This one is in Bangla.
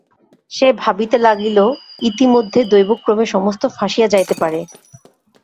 সে ভাবিতে লাগিল, ইতিমধ্যে দৈবক্রমে সমস্ত ফাঁসিয়া যাইতে পারে।